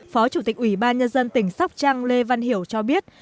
phó chủ tịch ủy ban nhân dân tỉnh sóc trăng lê văn hiểu cho biết